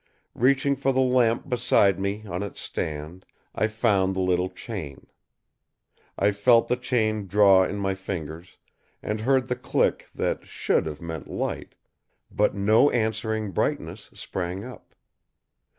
Reaching for the lamp beside me on its stand, I found the little chain. I felt the chain draw in my fingers and heard the click that should have meant light; but no answering brightness sprang up.